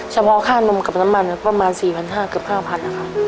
เฉพาะค่านมกับน้ำมันประมาณ๔๕๐๐เกือบ๕๐๐นะคะ